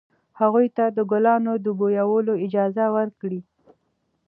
هغوی ته د ګلانو د بویولو اجازه ورکړئ.